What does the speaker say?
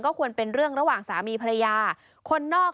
ควรเป็นเรื่องระหว่างสามีภรรยาคนนอก